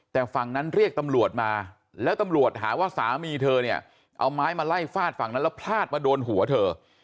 แต่ฝั่งนั้นเรียกตำรวจมาแล้วตำรวจหาว่าสามีเธอเนี่ยเอาไม้มาไล่ฟาดฝั่งนั้นแล้วพลาดมาโดนหัวเธอ